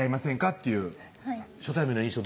っていうはい初対面の印象